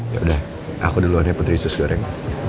yaudah aku duluan ya putri yusus goreng